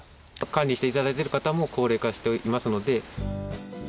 管理していただいている方も高齢化していますので。